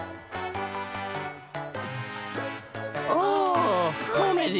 オコメディー！